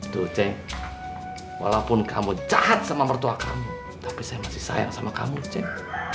to ceng walaupun kamu jahat sama mertua kamu tapi saya masih sayang sama kamu ceng